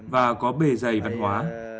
và có bề dày văn hóa